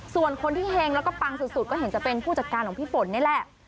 ส่วนคนที่เฮงแล้วก็ปังสุดก็เห็นจะเป็นผู้จัดการของพี่ฝนนี่แหละ